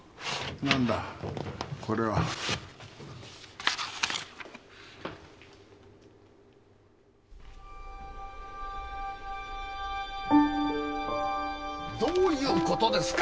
何だこれは？どういうことですか！？